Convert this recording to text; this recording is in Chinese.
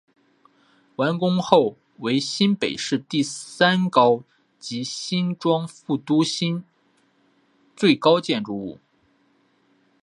完工后为新北市第三高及新庄副都心最高建筑物。